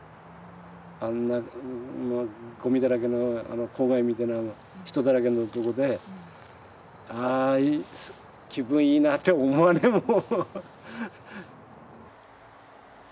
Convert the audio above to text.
あんなゴミだらけの公害みたいな人だらけのとこで「ああ気分いいなあ」って思わねえもん。